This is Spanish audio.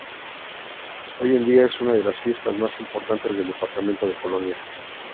Hoy en día es una de las fiestas más importantes del departamento de Colonia.